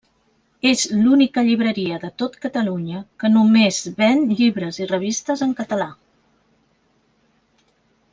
És l'única llibreria de tot Catalunya que només ven llibres i revistes en català.